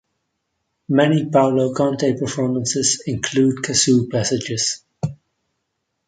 Many Paolo Conte performances include kazoo passages.